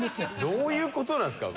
どういう事なんですか？